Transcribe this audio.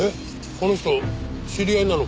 この人知り合いなのか？